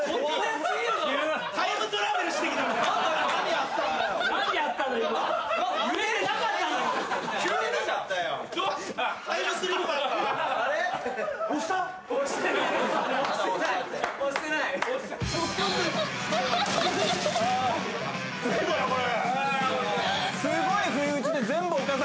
すごい不意打ちで。